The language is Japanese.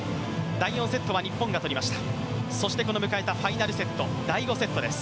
第４セットは日本が取りましたそして迎えたファイナルセット第５セットです